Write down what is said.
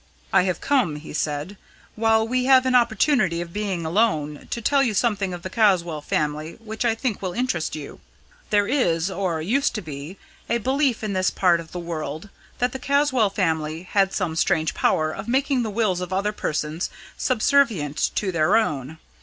"I have come," he said, "while we have an opportunity of being alone, to tell you something of the Caswall family which I think will interest you. There is, or used to be, a belief in this part of the world that the Caswall family had some strange power of making the wills of other persons subservient to their own.